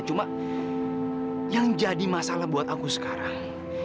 cuma yang jadi masalah buat aku sekarang